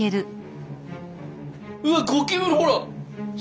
うわゴキブリほら！